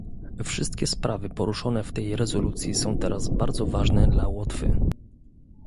Wszystkie sprawy poruszone w tej rezolucji są teraz bardzo ważne dla Łotwy